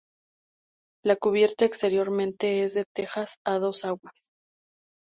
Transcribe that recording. La cubierta exteriormente es de tejas a dos aguas.